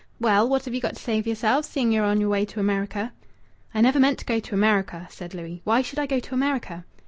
Well, what have ye got to say for yeself, seeing ye are on yer way to America?" "I never meant to go to America," said Louis. "Why should I go to America?"